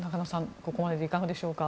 ここまででいかがでしょうか。